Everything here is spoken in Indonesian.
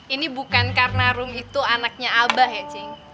ini bukan karena rum itu anaknya abah ya cing